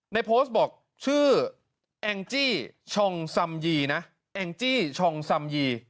ในโพสต์บอกชื่อแองจี้ชองซัมยีนะแองจี้ชองซัมยี